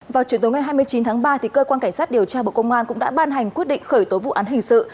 vào chiều tối ngày hai mươi chín tháng ba cơ quan cảnh sát điều tra bộ công an cũng đã ban hành quyết định khởi tố vụ án hình sự